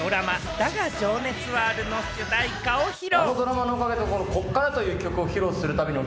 だが、情熱はある』の主題歌を披露。